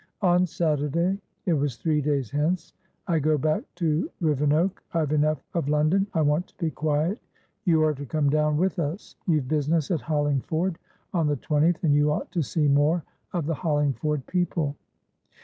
On Saturday"it was three days hence"I go back to Rivenoak; I've enough of London; I want to be quiet. You are to come down with us. You've business at Hollingford on the 20th, and you ought to see more of the Hollingford people."